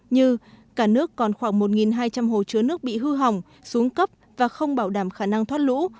như cả nước còn khoảng một hai trăm linh hồ chứa nước bị hư hỏng xuống cấp và không bảo đảm khả năng thoát lũ